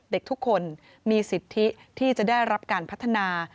เด็กทุกคนมีสิทธิที่จะได้รับการพัฒนา